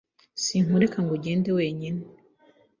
Sinkureka ngo ugende wenyine.